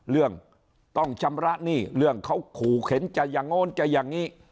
เรื่องต้องชำระหนี้เรื่องเขาขู่เข็นจะอย่างโน้นจะอย่างนี้